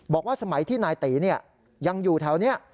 สมัยที่นายตียังอยู่แถวนี้